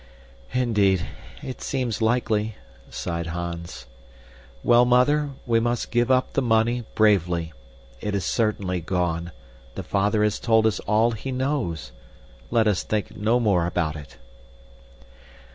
"Indeed, it seems likely," sighed Hans. "Well, Mother, we must give up the money bravely. It is certainly gone. The father has told us all he knows. Let us think no more about it."